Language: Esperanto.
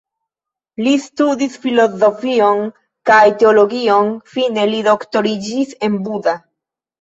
Li studis filozofion kaj teologion, fine li doktoriĝis en Buda.